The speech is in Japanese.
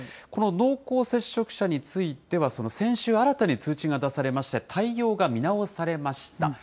この濃厚接触者については、先週、新たに通知が出されまして、対応が見直されました。